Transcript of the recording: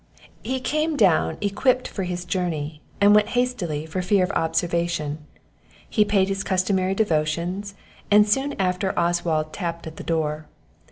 He came down equipped for his journey, and went hastily for fear of observation; he paid his customary devotions, and soon after Oswald tapped at the door.